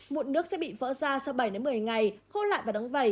mụn nước sẽ bị vỡ ra sau bảy một mươi ngày khô lại và đắng vẩy